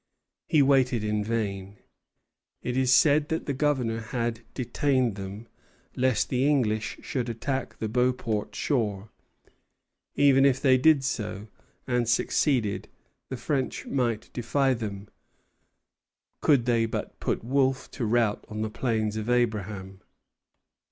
He waited in vain. It is said that the Governor had detained them, lest the English should attack the Beauport shore. Even if they did so, and succeeded, the French might defy them, could they but put Wolfe to rout on the Plains of Abraham.